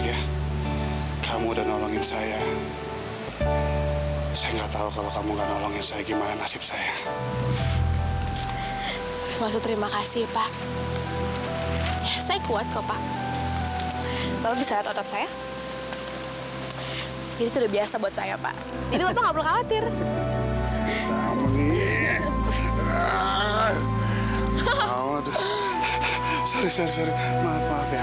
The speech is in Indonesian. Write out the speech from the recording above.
aku ngerasain kalau dia itu ayah